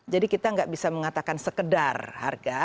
jadi kita nggak bisa mengatakan sekedar harga